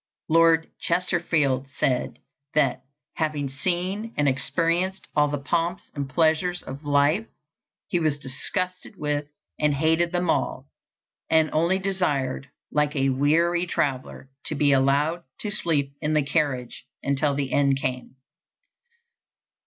Lord Chesterfield said that, having seen and experienced all the pomps and pleasures of life, he was disgusted with and hated them all, and only desired, like a weary traveler, to be allowed "to sleep in the carriage" until the end came.